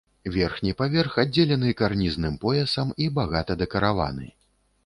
Верхні паверх аддзелены карнізным поясам і багата дэкараваны.